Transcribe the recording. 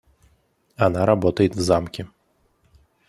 Она работает в Замке.